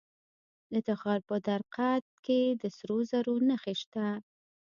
د تخار په درقد کې د سرو زرو نښې شته.